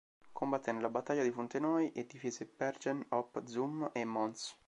Combatté nella battaglia di Fontenoy e difese Bergen op Zoom e Mons.